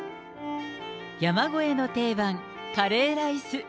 山小屋の定番、カレーライス。